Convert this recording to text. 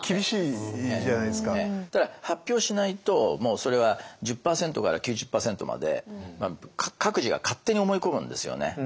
ただ発表しないともうそれは１０％から９０％まで各自が勝手に思い込むんですよね。